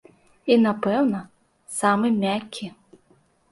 І, напэўна, самы мяккі.